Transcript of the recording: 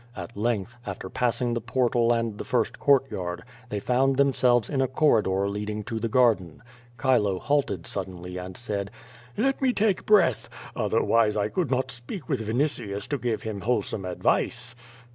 At length, after passing the portal and the first courtyard, they found themselves in a corridor leading to the garden. Chilo halted suddenly and said: "Let me take breath, otherwise I could not speak with Vini tius to give him wholesome advice."